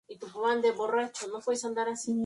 Asistió a la toma de Cuenca.